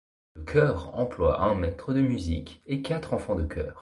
Le chœur emploie un maitre de musique et quatre enfants de chœur.